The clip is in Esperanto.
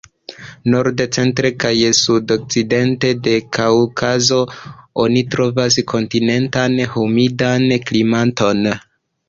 Norde, centre kaj sudokcidente de Kaŭkazo oni trovas kontinentan humidan klimaton.